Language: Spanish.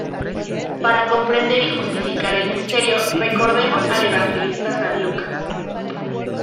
Para comprender y justificar el Misterio, recordemos al Evangelista San Lucas.